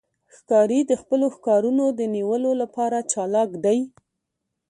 ښکاري د خپلو ښکارونو د نیولو لپاره چالاک دی.